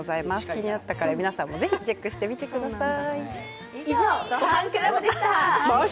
気になったカレー、皆さんもぜひチェックしてみてください。